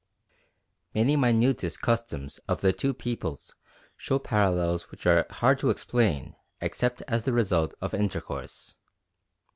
Many minutest customs of the two peoples show parallels which are hard to explain except as the result of intercourse.